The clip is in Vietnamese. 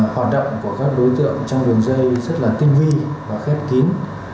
hoạt động của các đối tượng trong đường dây rất là tinh vi và khép kín